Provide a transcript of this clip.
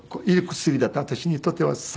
いい薬だった私にとっては。